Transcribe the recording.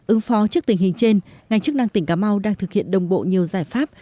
ứng phó trước tình hình trên ngành chức năng tỉnh cà mau đang thực hiện đồng bộ nhiều giải pháp